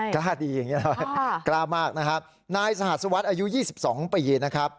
ใช่กล้ามากนะครับนายสหัสวัสดิ์อายุ๒๒ปี